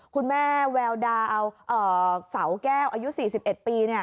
คุณแม่แววดาวเสาแก้วอายุ๔๑ปี